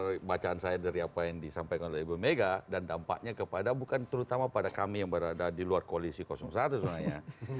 dari bacaan saya dari apa yang disampaikan oleh ibu mega dan dampaknya kepada bukan terutama pada kami yang berada di luar koalisi satu sebenarnya